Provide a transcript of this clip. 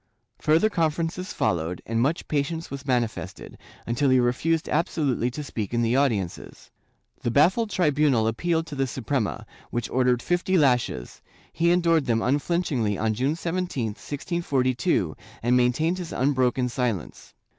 Further conferences followed, and much patience was manifested, until he refused absolutely to speak in the audiences. The baffled tribunal appealed to the Suprema, which ordered fifty lashes; he endured them unflinch ingly on June 17, 1642, and maintained his unbroken silence.